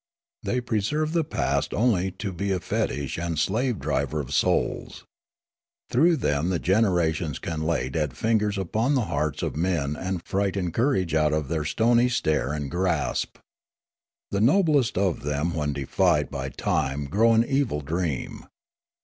They preserve the past only to be a fetish and slave driver of souls. Through them the generations can lay dead fingers upon the hearts of men and frighten cour age out with their stony stare and grasp. The noblest of them when deified by time grow an evil dream.